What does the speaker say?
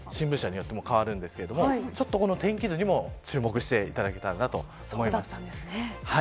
もちろん新聞社によっても変わるんですけれどもちょっとこの天気図にも注目していただけたらなと思います。